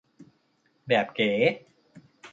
แบบเก๋